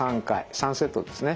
３セットですね。